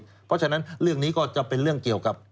เพราะฉะนั้นเรื่องนี้ก็จะเป็นเรื่องเกี่ยวกับ